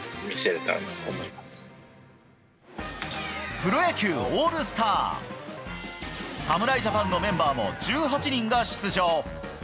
プロ野球オールスター！侍ジャパンのメンバーも１８人が出場。